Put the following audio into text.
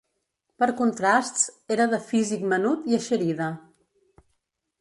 Per contrasts, era, de físic menut i eixerida.